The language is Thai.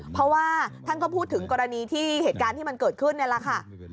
เพราะว่าท่านก็พูดถึงกรณีที่เหตุการณ์ที่มันเกิดขึ้นนี่แหละค่ะ